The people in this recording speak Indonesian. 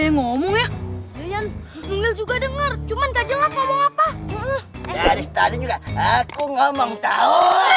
ngomong ya lian mungil juga dengar cuman gak jelas ngomong apa apa dari tadi juga aku ngomong tahu